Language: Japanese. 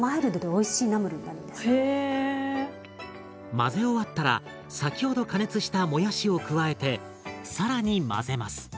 混ぜ終わったら先ほど加熱したもやしを加えて更に混ぜます。